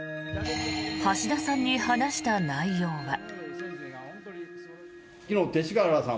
橋田さんに話した内容は。